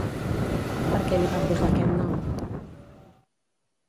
Per què li va posar aquest nom?